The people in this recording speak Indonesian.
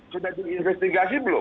sudah diinvestigasi belum